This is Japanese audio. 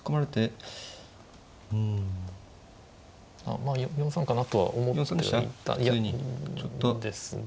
まあ４三かなとは思っていたんですが。